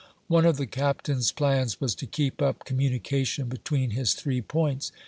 One of the Captain's plans was to keep up communi cation between his three points.